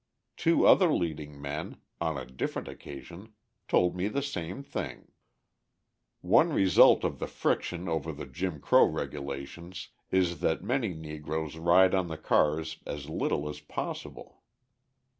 Two other leading men, on a different occasion, told me the same thing. One result of the friction over the Jim Crow regulations is that many Negroes ride on the cars as little as possible.